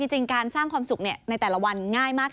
จริงการสร้างความสุขในแต่ละวันง่ายมาก